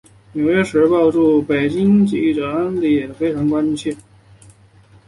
纽约时报驻北京记者安迪也非常关切。